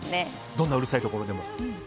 どんなうるさいところでも。